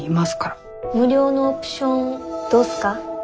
無料のオプションどうっすか？